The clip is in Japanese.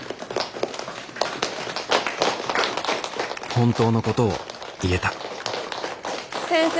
本当のことを言えた先生。